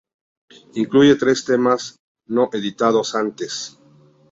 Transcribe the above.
Incluye tres temas no editados antes.